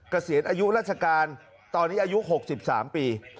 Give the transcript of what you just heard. เกษียณอายุราชการตอนนี้อายุ๖๓ปี